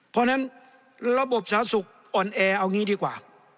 เพราะฉะนั้นระบบสาธารณสุขอ่อนแอเอางี้ดีกว่า